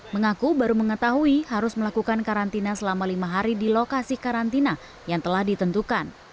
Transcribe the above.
mengaku baru mengetahui harus melakukan karantina selama lima hari di lokasi karantina yang telah ditentukan